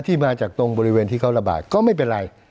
ที่มาจากตรงบริเวณที่เขาระบาดก็ไม่เป็นไร